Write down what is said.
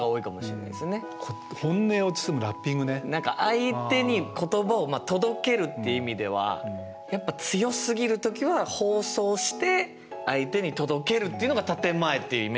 何か相手に言葉を届けるって意味ではやっぱ強すぎる時は包装して相手に届けるっていうのが建て前っていうイメージですかね。